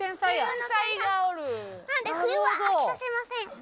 なので冬は飽きさせません！